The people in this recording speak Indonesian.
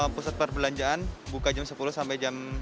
pusat pembelanjaan buka jam sepuluh sampai jam sepuluh